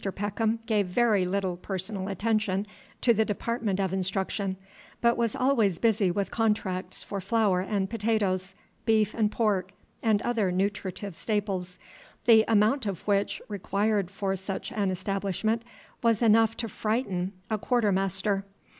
Peckham gave very little personal attention to the department of instruction, but was always busy with contracts for flour and potatoes, beef and pork, and other nutritive staples, the amount of which required for such an establishment was enough to frighten a quartermaster.